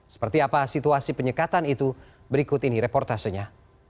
seperti apa situasi penyekatan itu berikut ini reportasenya